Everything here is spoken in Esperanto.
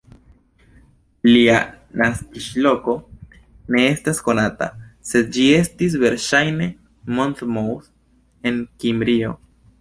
Lia naskiĝloko ne estas konata, sed ĝi estis verŝajne Monmouth en Kimrio.